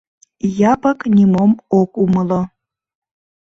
— Япык нимом ок умыло.